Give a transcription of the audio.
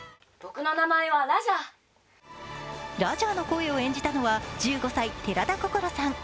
ラジャーの声を演じたのは１５歳、寺田心さん。